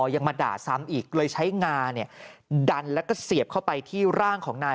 ยังมาด่าซ้ำอีกเลยใช้งาเนี่ยดันแล้วก็เสียบเข้าไปที่ร่างของนาย